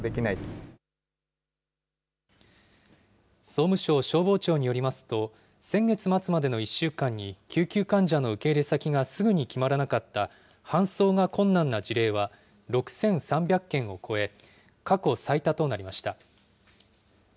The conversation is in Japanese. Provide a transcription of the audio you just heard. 総務省消防庁によりますと、先月末までの１週間に救急患者の受け入れ先がすぐに決まらなかった、搬送が困難な事例は、６３００件を超え、過去最多となりました。